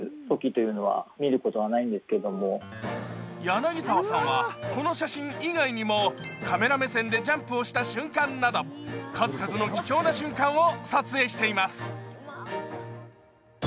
やなぎさわさんはこの写真以外にもカメラ目線でジャンプをした瞬間など数々の貴重な瞬間を撮影しています。